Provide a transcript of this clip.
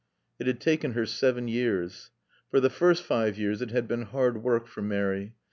It had taken her seven years. For the first five years it had been hard work for Mary.